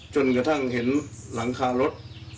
จนกระทั่งเห็นหลังคารถ